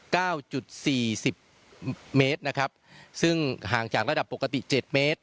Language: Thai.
เก้าจุดสี่สิบเมตรนะครับซึ่งห่างจากระดับปกติเจ็ดเมตร